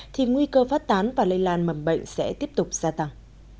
thì nguy cơ phát tán và lây lan mầm bệnh sẽ tiếp tục gia tăng